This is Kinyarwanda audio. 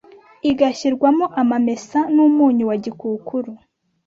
igashyirwamo amamesa n’ umunyu wa gikukuru,